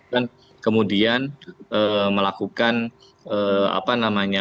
dan kemudian melakukan apa namanya